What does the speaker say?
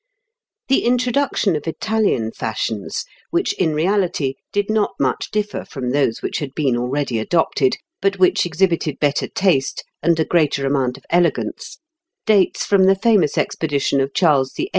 ] The introduction of Italian fashions, which in reality did not much differ from those which had been already adopted, but which exhibited better taste and a greater amount of elegance, dates from the famous expedition of Charles VIII.